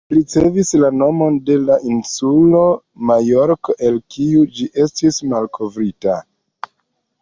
Ĝi ricevis la nomon de la insulo Majorko elde kiu ĝi estis malkovrita.